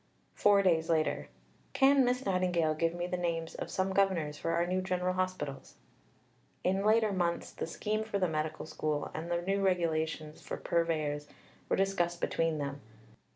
Four days later: "Can Miss Nightingale give me the names of some Governors for our new General Hospitals?" In later months, the scheme for the Medical School and the new Regulations for Purveyors were discussed between them.